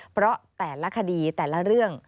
เพราะแต่ละคดีแต่ละเรื่อง